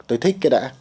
tôi thích cái đã